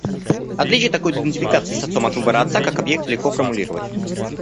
Отличие такой идентификации с отцом от выбора отца как объекта легко формулировать.